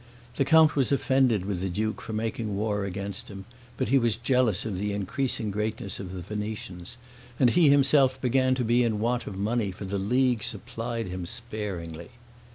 The count was offended with the duke for making war against him; but he was jealous of the increasing greatness of the Venetians, and he himself began to be in want of money, for the League supplied him sparingly.